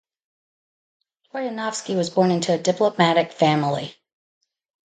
Troyanovsky was born into a diplomatic family.